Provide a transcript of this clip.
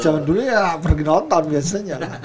zaman dulu ya pergi nonton biasanya